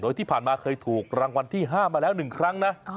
โดยที่ผ่านมาเคยถูกรางวัลที่๕มาแล้ว๑ครั้งนะ